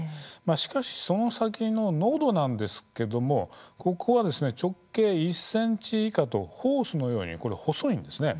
しかし、その先ののどなんですけれどもここは直径１ｃｍ以下とホースのように細いんです。